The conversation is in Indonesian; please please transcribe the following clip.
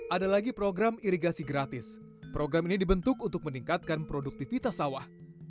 ada lagi program irigasi gratis program ini dibentuk untuk meningkatkan produktivitas sawah